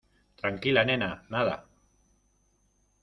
tranquila, nena. nada .